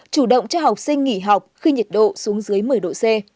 chủ động cho học sinh nghỉ học khi nhiệt độ xuống dưới một mươi độ c